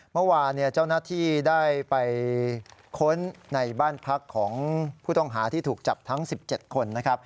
เมื่อวานเจ้าหน้าที่ได้ไปค้นในบ้านพักของผู้ต้องหาที่ถูกจับทั้ง๑๗คนนะครับ